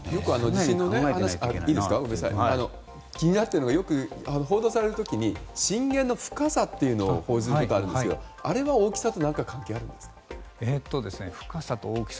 気になっているのがよく報道されている時に震源の深さというのを報じることがありますがあれは大きさと関係があるんですか？